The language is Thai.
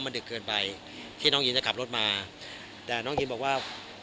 มันดึกเกินไปที่น้องหญิงจะขับรถมาแต่น้องอินบอกว่า